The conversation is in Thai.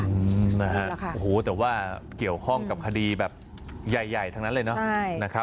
อืมแต่ว่าเกี่ยวข้องกับคดีแบบใหญ่ทั้งนั้นเลยนะ